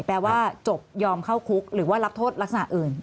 แปลว่าจบยอมเข้าคุกหรือว่ารับโทษลักษณะอื่น